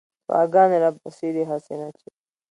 دعاګانې راپسې دي هسې نه چې